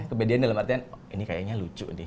kebedian dalam artian ini kayaknya lucu nih